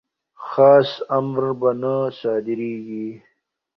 خاص امر به نه صادریږي.